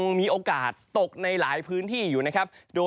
มีโอกาสตกในหลายพื้นที่อยู่นะครับ